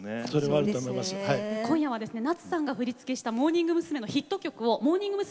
今夜は夏さんが振り付けしたモーニング娘。のヒット曲をモーニング娘。